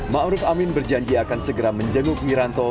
ma'ruf amin berjanji akan segera menjenguk wiranto